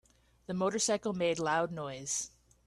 The motorcycle made loud noise.